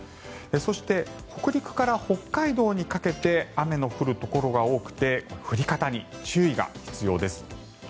そして、北陸から北海道にかけて雨の降るところが多くて降り方に注意が必要です。